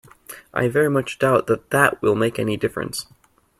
I very much doubt that that will make any difference.